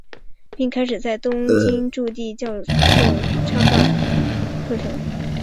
并开始在东京筑地教授插画课程。